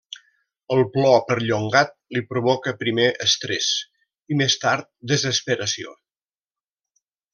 El plor perllongat li provoca primer estrès, i més tard desesperació.